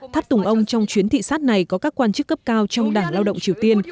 tháp tùng ông trong chuyến thị sát này có các quan chức cấp cao trong đảng lao động triều tiên